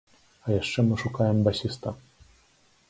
А яшчэ мы шукаем басіста.